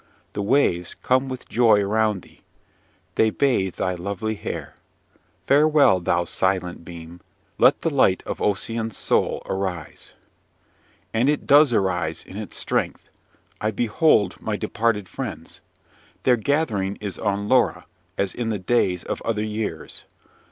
The waves come with joy around thee: they bathe thy lovely hair. Farewell, thou silent beam! Let the light of Ossian's soul arise! "And it does arise in its strength! I behold my departed friends. Their gathering is on Lora, as in the days of other years.